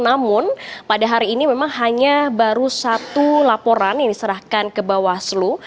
namun pada hari ini memang hanya baru satu laporan yang diserahkan ke bawaslu